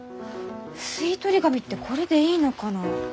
吸い取り紙ってこれでいいのかな？